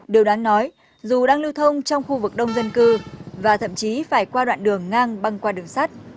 điều đáng nói dù đang lưu thông trong khu vực đông dân cư và thậm chí phải qua đoạn đường ngang băng qua đường sắt